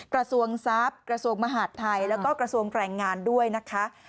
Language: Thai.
กระทรวงทรัพย์กระทรวงมหาดไทยแล้วก็กระทรวงแรงงานด้วยนะคะ